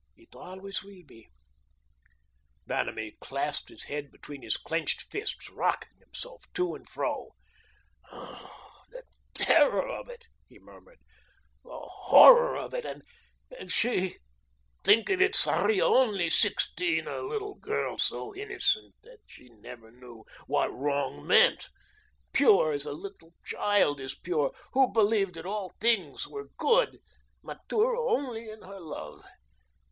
It always will be." Vanamee clasped his head between his clenched fists, rocking himself to and fro. "Oh, the terror of it," he murmured. "The horror of it. And she think of it, Sarria, only sixteen, a little girl; so innocent, that she never knew what wrong meant, pure as a little child is pure, who believed that all things were good; mature only in her love.